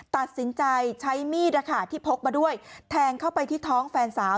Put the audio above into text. ตัดสินใจใช้มีดที่พกมาด้วยแทงเข้าไปที่ท้องแฟนสาว